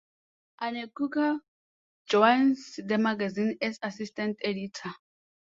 Anne Coker joins the magazine as Assistant Editor.